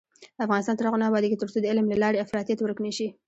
افغانستان تر هغو نه ابادیږي، ترڅو د علم له لارې افراطیت ورک نشي.